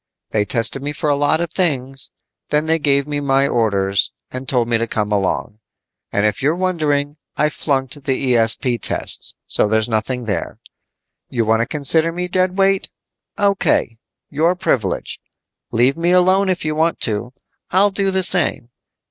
They tested me for a lot of things, then gave me my orders and told me to come along. And if you're wondering, I flunked the ESP tests, so there's nothing there. You want to consider me dead weight? O.K., your privilege. Leave me alone if you want to, I'll do the same.